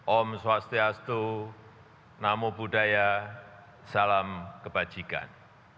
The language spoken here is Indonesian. om swastiastu namo buddhaya salam kebajikan